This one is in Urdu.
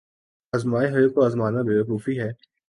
آزمائے ہوئے کو آزمانا بے وقوفی ہے۔